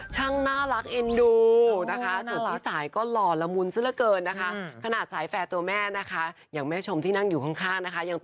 ฉั่งน่ารักเอ็นดูนะคะส่วนที่สายก็หล่อลมุนซะละเกินนะคะขนาดสายแฟร์ตัวแม่นะคะ